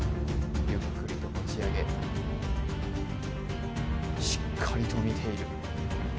ゆっくりと持ち上げ、しっかりと見ている。